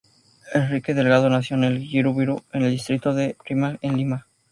Enrique Delgado nació en el jirón Virú en el distrito del Rímac en Lima.